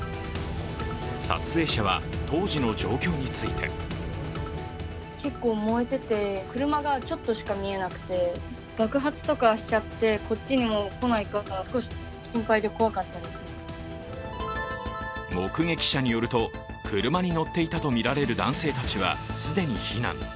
撮影者は当時の状況について目撃者によると、車に乗っていたとみられる男性たちは既に避難。